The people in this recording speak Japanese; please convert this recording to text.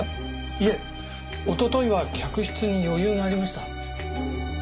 いえおとといは客室に余裕がありました。